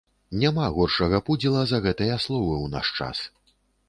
Няма горшага пудзіла за гэтыя словы ў наш час.